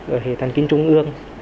ở hệ thần kinh trung ương